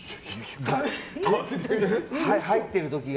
入ってる時が。